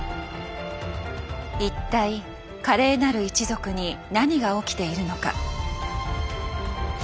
一体華麗なる一族に何が起きているのか。